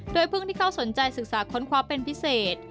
โดยพึ่งที่เขาสนใจศึกษาค้นคว้าเป็นพิเศษ